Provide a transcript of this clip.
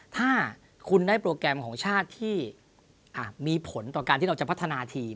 ถ้าคุณได้โปรแกรมของชาติที่มีผลต่อการที่เราจะพัฒนาทีม